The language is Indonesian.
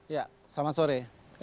ya selamat sore